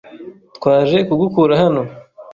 Twaje kugukura hano.